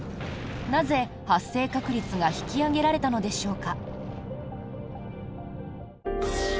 なぜ、発生確率が引き上げられたのでしょうか。